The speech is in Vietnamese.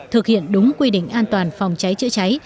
thực hiện đúng quy định an toàn phòng cháy chữa cháy